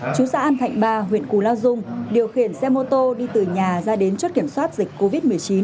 chú xã an thạnh ba huyện cù lao dung điều khiển xe mô tô đi từ nhà ra đến chốt kiểm soát dịch covid một mươi chín